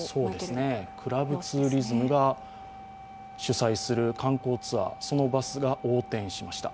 クラブツーリズムが主催する観光ツアー、そのバスが横転しました。